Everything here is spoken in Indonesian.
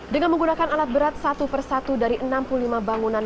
dengan menggunakan alat berat satu persatu dari enam puluh lima bangunan